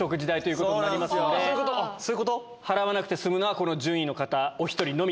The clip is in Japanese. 払わなくて済むのはこの順位の方お１人のみ。